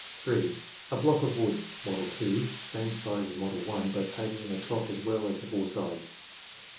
(3) A block of wood (model 2), same size as model 1 but painted on the top as well as the four sides.